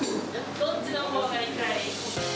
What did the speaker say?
どっちのほうが痛い？